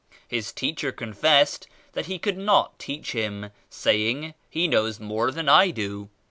His teacher confessed that he could not teach Him, — saying *He knows more than I do.'